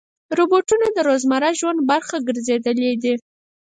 روبوټونه د روزمره ژوند برخه ګرځېدلي دي.